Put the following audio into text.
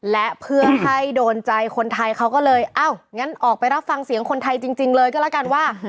และเพื่อให้โดนใจคนไทยเขาก็เลยอ้าวงั้นออกไปรับฟังเสียงคนไทยจริงเลยก็แล้วกันว่า